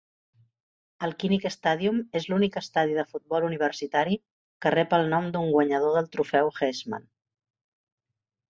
El Kinnick Stadium és l'únic estadi de futbol universitari que rep el nom d'un guanyador del Trofeu Heisman.